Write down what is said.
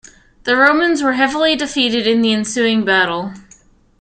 The Romans were heavily defeated in the ensuing battle.